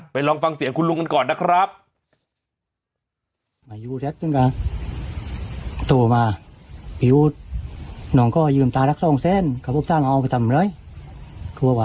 ลองฟังเสียงคุณลุงกันก่อนนะครับ